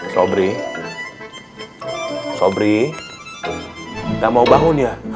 sobri sobri nggak mau bangun ya